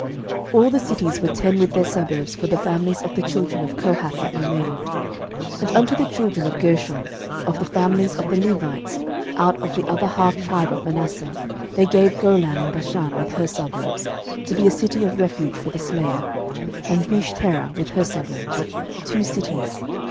06:021:026 All the cities were ten with their suburbs for the families of the children of Kohath that remained. 06:021:027 And unto the children of Gershon, of the families of the Levites, out of the other half tribe of Manasseh they gave Golan in Bashan with her suburbs, to be a city of refuge for the slayer; and Beeshterah with her suburbs; two cities.